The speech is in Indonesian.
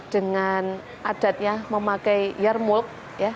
dengan adatnya memakai yarmulke